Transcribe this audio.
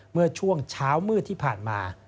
เมื่อช่วงเช้ามืดที่ผ่านมา